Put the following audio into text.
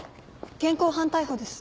現行犯逮捕です。